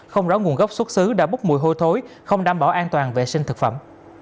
không rõ nguồn gốc xuất xứ đã bốc mùi hôi thối không đảm bảo an toàn vệ sinh thực phẩm